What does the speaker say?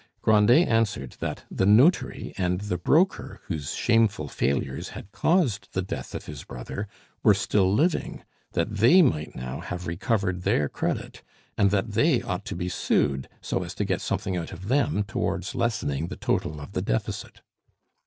Grandet answered that the notary and the broker whose shameful failures had caused the death of his brother were still living, that they might now have recovered their credit, and that they ought to be sued, so as to get something out of them towards lessening the total of the deficit.